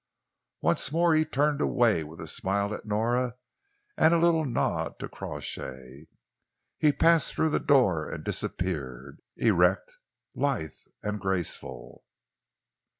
Once more he turned away, with a smile at Nora and a little nod to Crawshay. He passed through the door and disappeared, erect, lithe and graceful.